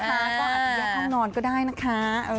ก็อาจจะเอาอย่างนอนก็ได้นะคะ